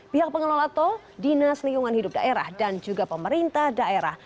pihak pengelola tol dinas lingkungan hidup daerah dan juga pemerintah daerah